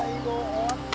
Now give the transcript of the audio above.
終わった！